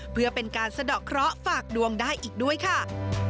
เพื่อเป็นการสะดอกเคราะห์ฝากดวงได้อีกด้วยค่ะ